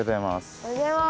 おはようございます。